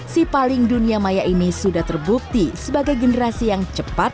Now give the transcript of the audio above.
si paling dunia maya ini sudah terbukti sebagai generasi yang cepat